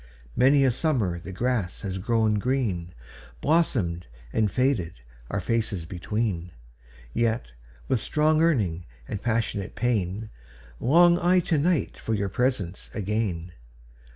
Many a summer the grass has grown green, Blossomed and faded, our faces between:Yet, with strong yearning and passionate pain, Long I to night for your presence again.